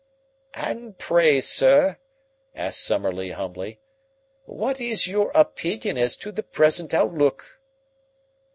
"And pray, sir," asked Summerlee humbly, "what is your opinion as to the present outlook?"